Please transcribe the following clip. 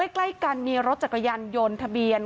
ใกล้กันมีรถจักรยานยนต์ทะเบียน